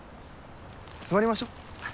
座りましょ。